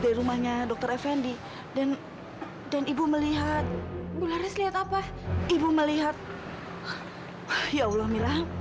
dari rumahnya dokter fnd dan dan ibu melihat bulares lihat apa ibu melihat ya allah mila